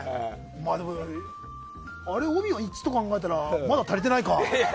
でも、あれ帯が１と考えたらまだ足りてないか。